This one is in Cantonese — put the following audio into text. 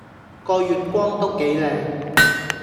個月光都幾靚